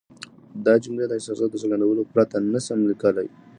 دا جملې د احساساتو د څرګندولو پرته نه شم لیکلای.